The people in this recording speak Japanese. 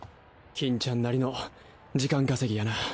金ちゃんなりの時間稼ぎやな。